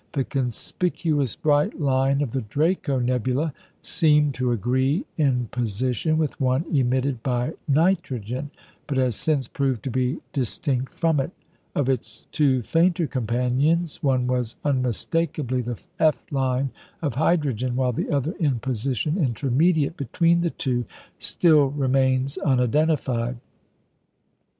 The conspicuous bright line of the Draco nebula seemed to agree in position with one emitted by nitrogen, but has since proved to be distinct from it; of its two fainter companions, one was unmistakably the F line of hydrogen, while the other, in position intermediate between the two, still remains unidentified.